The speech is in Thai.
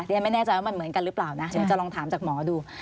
ยังไม่แน่ใจว่ามันเหมือนกันหรือเปล่านะเดี๋ยวจะลองถามจากหมอดู